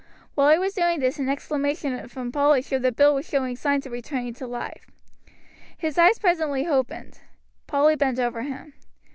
While he was doing this an exclamation of pleasure from Polly showed that Bill was showing signs of returning to life. His eyes presently opened. Polly bent over him.